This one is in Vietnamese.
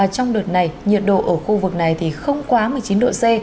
trong đợt này nhiệt độ ở khu vực này không quá một mươi chín độ c